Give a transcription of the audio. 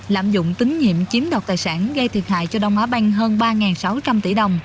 lạm dụng tín nhiệm chiếm đoạt tài sản gây thiệt hại cho đông á banh hơn ba sáu trăm linh tỷ đồng